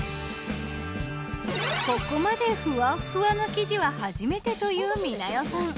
ここまでふわふわの生地は初めてという美奈代さん。